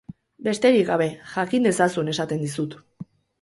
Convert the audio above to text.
Besterik gabe, jakin dezazun esaten dizut.